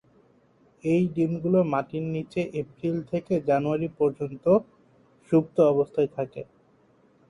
এই ডিমগুলো মাটির নিচে এপ্রিল থেকে জানুয়ারি পর্যন্ত সুপ্ত অবস্থায় থাকে।